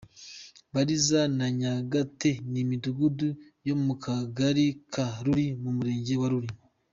Bariza na Ngayate n’imidugudu yo mu Kagari ka Ruli mu Murenge wa Ruli.